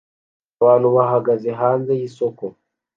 Abantu bahagaze hanze yisoko